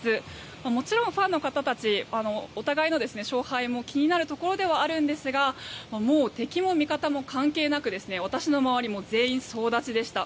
もちろんファンの方たちお互いの勝敗も気になるところではあるんですが敵も味方も関係なく私の周りも全員総立ちでした。